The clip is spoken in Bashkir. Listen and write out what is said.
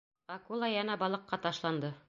Акула йәнә балыҡҡа ташланды.